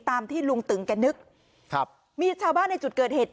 ตามที่ลุงตึงแกนึกครับมีชาวบ้านในจุดเกิดเหตุ